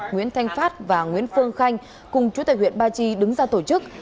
nguyễn thanh phát và nguyễn phương khanh cùng chủ tệ huyện ba chi đứng ra tổ chức